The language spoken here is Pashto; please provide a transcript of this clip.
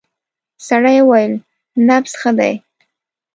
سړی وویل نبض ښه دی.